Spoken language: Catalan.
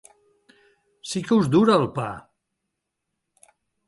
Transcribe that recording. Sí que us dura, el pa!